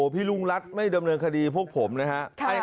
พี่รุ่งลักษณ์ไม่ดำเนินคดีพวกผมนะฮะใช่